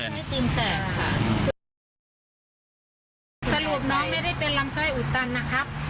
สรุปน้องไม่ได้เป็นลำไส้อุตตัลนะครับ